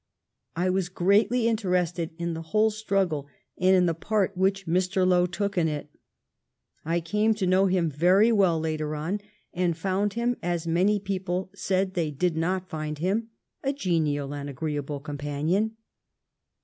I was greatly interested in the whole struggle, and in the part which Mr. Lowe took in it. I came to know him very well later on, and found him, as many people said they did not find him, a genial and agreeable companion.